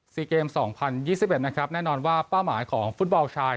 เกมสองพันยี่สิบเอ็ดนะครับแน่นอนว่าเป้าหมายของฟุตบอลชาย